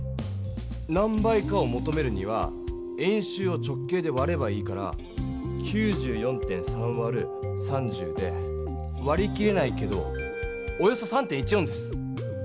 何倍かをもとめるには円周を直径でわればいいから９４．３わる３０でわり切れないけどおよそ３．１４です。